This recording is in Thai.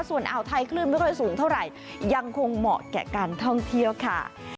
ส่วนอ่าวไทยคลื่นไม่ค่อยสูงเท่าไหร่ยังคงเหมาะแก่การท่องเที่ยวค่ะ